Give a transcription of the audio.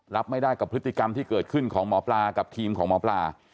รับไม่ได้กับพฤติกรรมที่เกิดขึ้นของหมอปลากับทีมของหมอปลา